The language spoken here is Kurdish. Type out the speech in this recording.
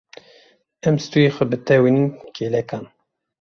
Em stûyê xwe bitewînin kêlekan.